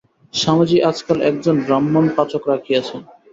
স্বামীজী আজকাল একজন ব্রাহ্মণ পাচক রাখিয়াছেন।